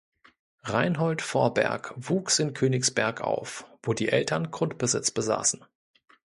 Reinhold Vorberg wuchs in Königsberg auf, wo die Eltern Grundbesitz besaßen.